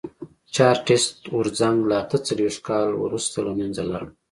چارټېست غورځنګ له اته څلوېښت کال وروسته له منځه لاړ.